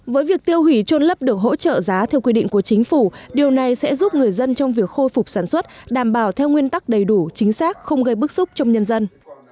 với việc tiêu hủy trôn lấp được hỗ trợ giá theo quy định của chính phủ điều này sẽ giúp người dân trong việc khôi phục sản xuất đảm bảo theo nguyên tắc đầy đủ chính xác không gây bức xúc trong nhân dân